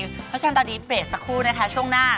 เพราะฉะนั้นตอนนี้เบรกสักครู่นะคะช่วงหน้า